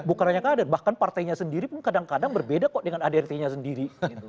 bukan hanya kader bahkan partainya sendiri pun kadang kadang berbeda kok dengan adrt nya sendiri